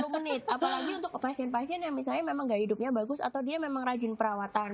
sepuluh menit apalagi untuk pasien pasien yang misalnya memang gaya hidupnya bagus atau dia memang rajin perawatan